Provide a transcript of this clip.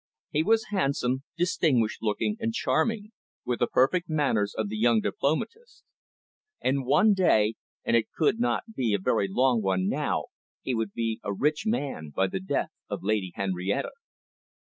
He was handsome, distinguished looking and charming, with the perfect manners of the young diplomatist. And one day, and it could not be a very long one now, he would be a rich man by the death of Lady Henrietta.